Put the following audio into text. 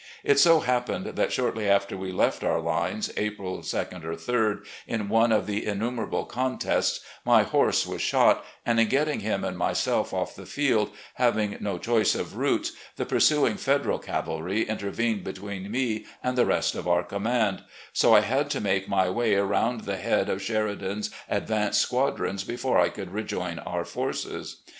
It so happened that shortly after we left our lines, April ad or 3d, in one of the innumerable contests, my horse was shot, and in getting him and myself oflE the field, having no choice of routes, the pursuing Federal cavalry intervened between me and the rest of our command, so 156 RECOLLECTIONS OP GENERAL LEE I had to make my way around the head of Sheridan's advance squadrons before I could rejoin our forces.